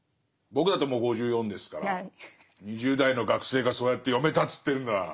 僕だってもう５４ですから２０代の学生がそうやって読めたっつってるんなら。